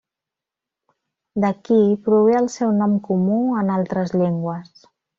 D'aquí prové el seu nom comú en altres llengües.